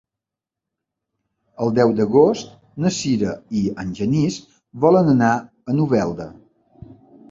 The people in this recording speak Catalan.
El deu d'agost na Sira i en Genís volen anar a Novelda.